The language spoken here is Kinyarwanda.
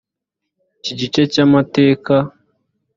iki gice cy amateka